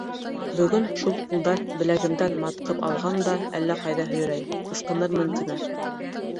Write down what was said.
Бөгөн шул ҡулдар беләгемдән матҡып алған да әллә ҡайҙа һөйрәй, ысҡынырмын тимә.